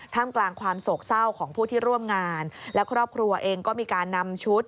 กลางกลางความโศกเศร้าของผู้ที่ร่วมงานและครอบครัวเองก็มีการนำชุด